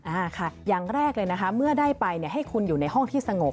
อ่าค่ะอย่างแรกเลยนะคะเมื่อได้ไปเนี่ยให้คุณอยู่ในห้องที่สงบ